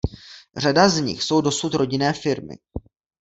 Řada z nich jsou dosud rodinné firmy.